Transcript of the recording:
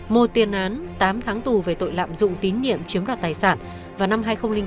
một tiền án tám tháng tù về tội lạm dụng tín nhiệm chiếm đoạt tài sản vào năm hai nghìn bốn